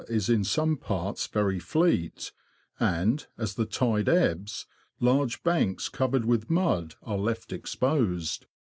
27 is in some parts very fleet, and, as the tide ebbs, large banks covered with mud are left exposed.